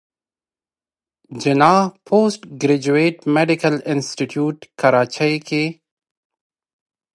جناح پوسټ ګريجويټ ميډيکل انسټيتيوټ کراچۍ کښې